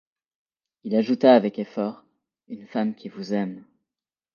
Il ajouta avec effort :— Une femme qui vous aime.